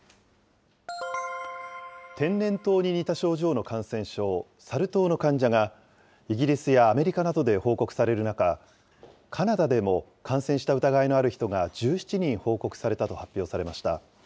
天然痘に似た症状の感染症、サル痘の患者が、イギリスやアメリカなどで報告される中、カナダでも感染した疑いのある人が１７人報告されたと発表されました。